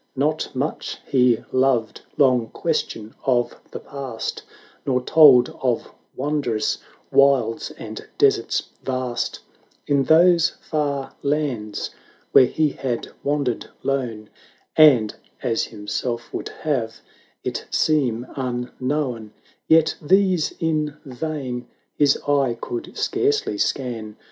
Not much he loved long question of the past, Nor told of wondrous wilds, and deserts vast, In those far lands where he had wan dered lone, And — as himself would have it seem —■ unknown : Yet these in vain his eye could scarcely scan.